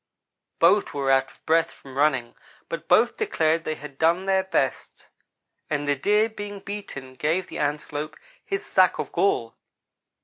"Both were out of breath from running, but both declared they had done their best, and the Deer, being beaten, gave the Antelope his sack of gall.